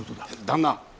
旦那